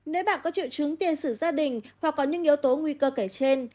nếu bạn có triệu chứng tiền sử gia đình hoặc có những yếu tố nguy cơ kể trên